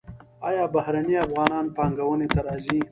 آیا بهرنی افغانان پانګونې ته راځي؟